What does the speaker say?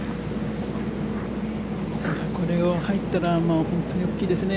これが入ったら本当に大きいですね。